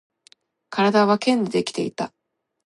体は剣でできていた